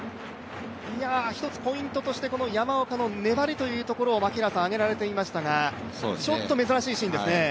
一つポイントとして山岡の粘りというところを挙げられましたがちょっと珍しいシーンですね。